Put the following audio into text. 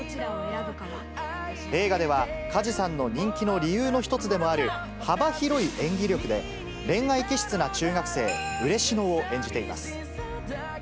映画では、梶さんの人気の理由の一つでもある幅広い演技力で、恋愛気質な中学生、ウレシノを演じています。